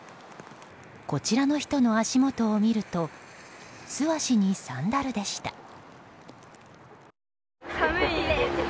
こちらの人の足元を見ると素足にサンダルでした。